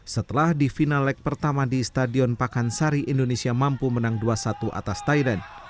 setelah di final leg pertama di stadion pakansari indonesia mampu menang dua satu atas thailand